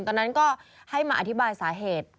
ตอนนั้นก็ให้มาอธิบายสาเหตุ